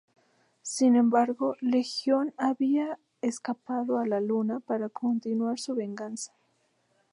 Sin embargo, Legión había escapado a la luna para continuar su venganza.